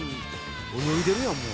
泳いでるやんもう。